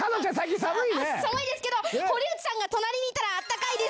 寒いですけど、堀内さんが隣にいたら、あったかいです。